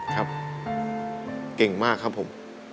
ครับเก่งมากครับผม